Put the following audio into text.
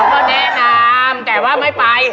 ไอ้พี่พ่อแนะนำแต่ว่าไม่ไป